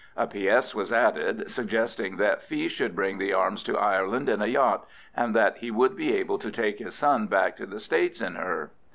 A P.S. was added suggesting that Fee should bring the arms to Ireland in a yacht, and that he would be able to take his son back to the States in her.